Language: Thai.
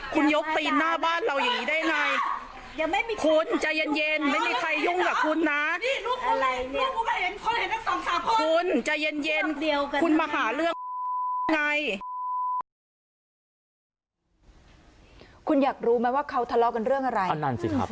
คุณอยากรู้ไหมว่าเขาทะเลาะกันเรื่องไหน